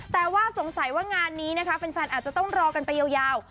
แต่ว่าสงสัยว่างานนี้นะคะแฟนอาจจะต้องรอกันไปยาว